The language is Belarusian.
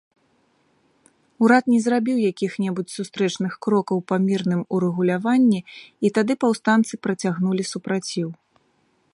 Урад не зрабіў якіх-небудзь сустрэчных крокаў па мірным урэгуляванні, і тады паўстанцы працягнулі супраціў.